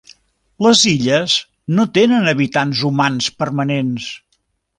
Les illes no tenen habitants humans permanents.